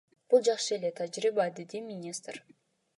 Бул жакшы эле тажрыйба, — деди министр.